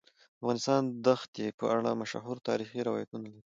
افغانستان د ښتې په اړه مشهور تاریخی روایتونه لري.